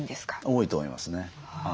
多いと思いますね。